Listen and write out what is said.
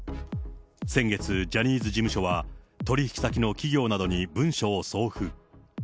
先月、ジャニーズ事務所は、取り引き先の企業などに文書を送付。